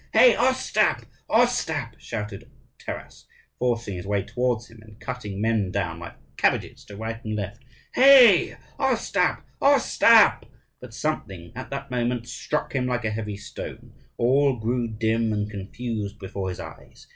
"Hey, Ostap, Ostap!" shouted Taras, forcing his way towards him, and cutting men down like cabbages to right and left. "Hey, Ostap, Ostap!" But something at that moment struck him like a heavy stone. All grew dim and confused before his eyes.